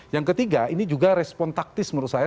yang ketiga ini juga respon taktis menurut saya